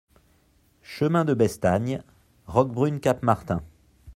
Chemin de Bestagne, Roquebrune-Cap-Martin